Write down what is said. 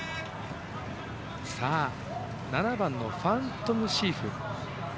７番ファントムシーフ。